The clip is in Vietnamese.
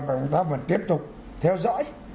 chúng ta vẫn tiếp tục theo dõi